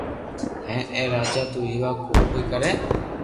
ھين اي راجا تو ويوا ڪون ڪوئي ڪري